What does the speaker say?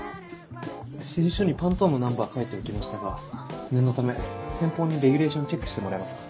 指示書にパントーンのナンバー書いておきましたが念のため先方にレギュレーションチェックしてもらえますか？